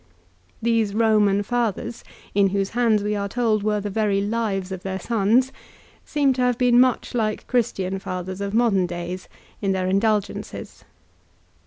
These Roman fathers, in whose hands we are told were the very lives of their sons, seem to have been much like Christian fathers of modern days in their indulgences.